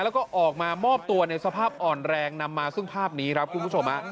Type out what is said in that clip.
แล้วก็ออกมามอบตัวในสภาพอ่อนแรงนำมาซึ่งภาพนี้ครับคุณผู้ชม